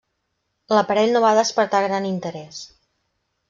L'aparell no va despertar gran interès.